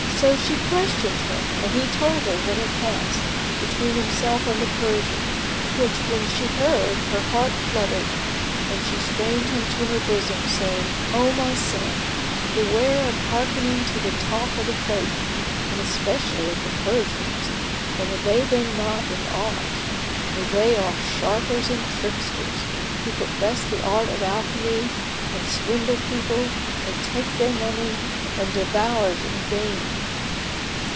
So she questioned him and he told her what had passed between himself and the Persian, which when she heard, her heart fluttered and she strained him to her bosom, saying, "O my son, beware of hearkening to the talk of the folk, and especially of the Persians, and obey them not in aught; for they are sharpers and tricksters, who profess the art of alchemy[FN#11] and swindle people and take their money and devour it in vain."